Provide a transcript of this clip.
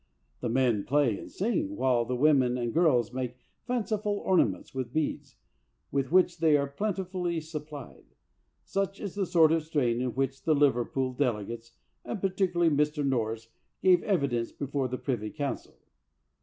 "The men play and sing, while the women and girls make fanciful ornaments with beads, with which they are plentifully supplied. '' Such is the sort of strain in which the Liverpool delegates, and particularly Mr. Norris, gave evi dence before the privy council.